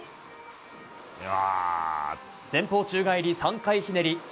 前方宙返り３回ひねり